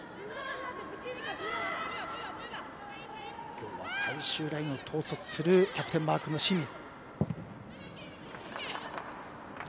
今日は最終ラインを統率するキャプテンマークの清水。